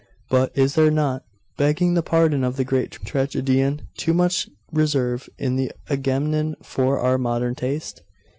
But Is there not, begging the pardon of the great tragedian, too much reserve in the Agamemnon for our modern taste?